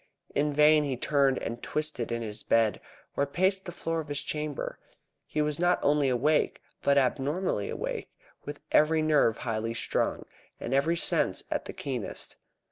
In vain he turned and twisted in his bed, or paced the floor of his chamber. He was not only awake, but abnormally awake, with every nerve highly strung, and every sense at the keenest.